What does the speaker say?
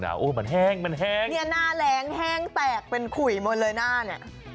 หน้าแรงแห้งแตกเป็นขุยหมดเลยหน้าเนี่ย